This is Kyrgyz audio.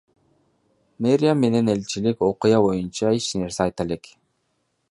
Мэрия менен элчилик окуя боюнча эч нерсе айта элек.